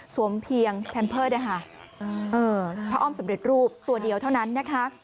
เพียงแพมเพิร์ตนะคะพระอ้อมสำเร็จรูปตัวเดียวเท่านั้นนะคะ